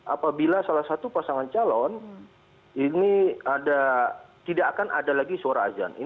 apabila salah satu pasangan calon ini tidak akan ada lagi suara azan